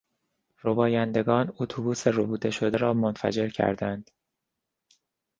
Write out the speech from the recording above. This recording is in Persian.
ربایندگان اتوبوس ربوده شده را منفجر کردند.